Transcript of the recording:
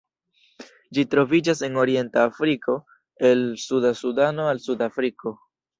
Ĝi troviĝas en orienta Afriko el suda Sudano al Sudafriko.